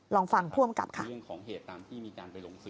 ลองฟังพ่วงกับค่ะ